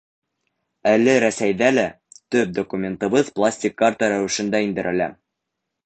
Әле Рәсәйҙә лә төп документыбыҙ пластик карта рәүешендә индерелә.